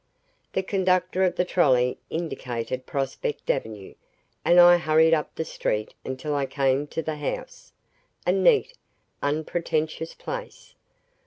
The conductor of the trolley indicated Prospect Avenue and I hurried up the street until I came to the house, a neat, unpretentious place.